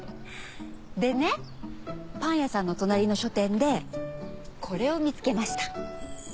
でねパン屋さんの隣の書店でこれを見つけました。